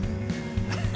ハハハハ。